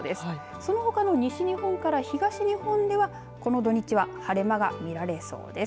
そのほかの西日本から東日本ではこの土日は晴れ間が見られそうです。